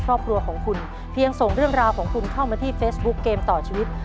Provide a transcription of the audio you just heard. ครอบครัวของคุณเพียงส่งเรื่องราวของคุณเข้ามาที่เฟซบุ๊คเกมต่อชีวิต